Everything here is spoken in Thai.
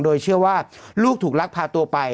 โดยเชื่อว่าลูกถูกลักพาตัวไป